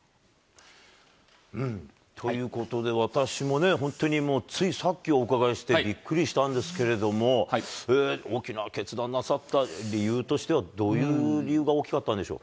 ということで、私もね、本当にもうついさっき、お伺いして、びっくりしたんですけれども、大きな決断なさった理由としては、どういう理由が大きかったんでしょう。